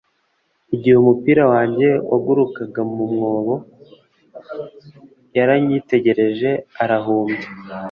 igihe umupira wanjye wagurukaga mu mwobo, yaranyitegereje arahumbya